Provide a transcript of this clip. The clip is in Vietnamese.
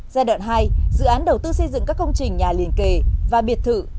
giai đoạn hai dự án đầu tư xây dựng các công trình nhà liền kề và biệt thự